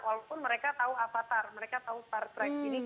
walaupun mereka tahu avatar mereka tahu star trek ini